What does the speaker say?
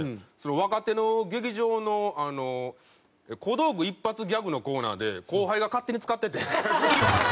若手の劇場の小道具一発ギャグのコーナーで後輩が勝手に使ってて。